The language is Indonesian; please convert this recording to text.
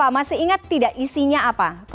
masih ingat tidak isinya apa